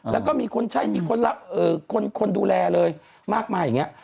แล้วก็มีคนใช่มีคนรับคนดูแลเลยมากมายอย่างนี้